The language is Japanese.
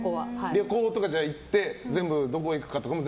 旅行とか行って全部どこ行くかとかも？